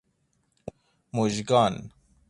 مژگان